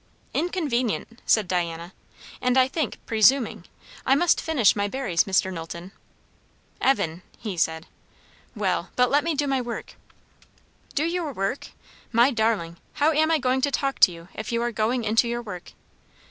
"Inconvenient," said Diana. "And I think, presuming. I must finish my berries, Mr. Knowlton." "Evan," he said. "Well; but let me do my work." "Do your work? My darling! How am I going to talk to you, if you are going into your work?